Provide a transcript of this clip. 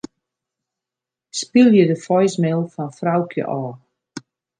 Spylje de voicemail fan Froukje ôf.